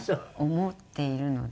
思っているので。